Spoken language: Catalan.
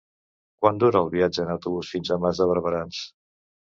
Quant dura el viatge en autobús fins a Mas de Barberans?